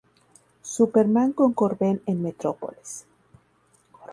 Superman con Corben en Metrópolis.